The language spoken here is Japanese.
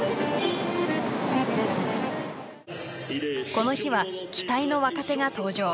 この日は期待の若手が登場。